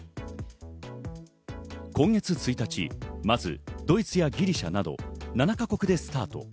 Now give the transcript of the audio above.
今月１日、まずドイツやギリシャなど７か国でスタート。